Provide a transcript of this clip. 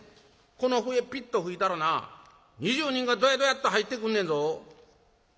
この笛ピッと吹いたらな２０人がドヤドヤッと入ってくんねんぞ」。